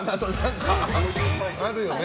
あるよね。